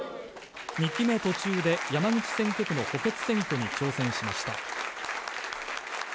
２期目途中で山口選挙区の補欠選挙に挑戦しました。